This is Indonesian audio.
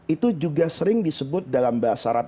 itu juga sering disebut dalam bahasa arab